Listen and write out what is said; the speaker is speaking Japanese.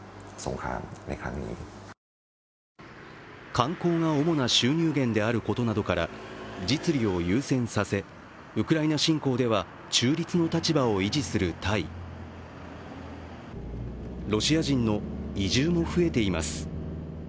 観光が主な収入減であることなどから実利を優先させ、ウクライナ侵攻では中立の立場を維持するタイロシア人の移住も増えています。